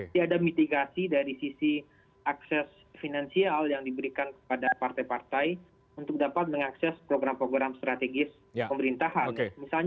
jadi ada mitigasi dari sisi akses finansial yang diberikan kepada partai partai untuk dapat mengakses program program strategis pemerintahan